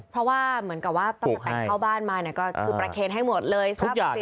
เพราะว่าเหมือนกับว่าต้องแต่งเข้าบ้านมาก็ประเครนให้หมดเลย